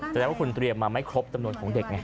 แสดงว่าคุณเตรียมมาไม่ครบจำนวนของเด็กไง